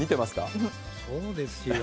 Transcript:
そうですよ。